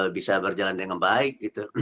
bisa berjalan dengan baik